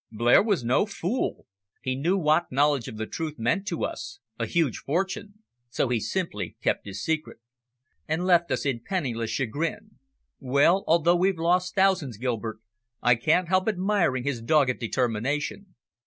"Blair was no fool. He knew what knowledge of the truth meant to us a huge fortune. So he simply kept his secret." "And left us in penniless chagrin. Well, although we've lost thousands, Gilbert, I can't help admiring his dogged determination.